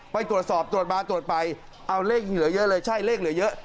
ไปตรวจสอบตรวจมาตรวจไปเอาเลขเหลือเยอะเลยใช่เลขเหลือเยอะ